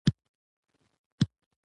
که په بازار مې خرڅوي، ورسره ځمه